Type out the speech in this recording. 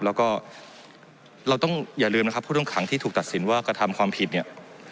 แล้วก็เราต้องอย่าลืมนะครับผู้ต้องขังที่ถูกตัดสินว่ากระทำความผิดเนี่ย